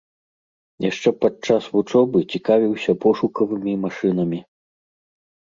Яшчэ падчас вучобы цікавіўся пошукавымі машынамі.